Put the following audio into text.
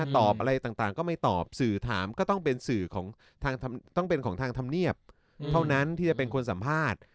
ตอบอะไรต่างก็ไม่ตอบสื่อถามก็ต้องเป็นสื่อของต้องเป็นของทางธรรมเนียบเท่านั้นที่จะเป็นคนสัมภาษณ์